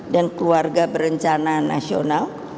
dan keluarga berencana nasional